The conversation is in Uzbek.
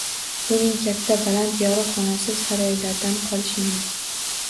Uning katta, baland, yorug‘ xonasi saroylardan qolishmaydi